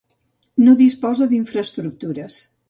No disposa d'infraestructures.